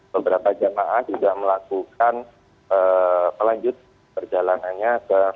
beberapa jemaah juga melakukan melanjut perjalanannya